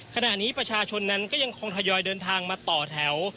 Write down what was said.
ขณะนี้ประชาชนนั้นก็ยังคงทยอยเดินทางมาต่อแถว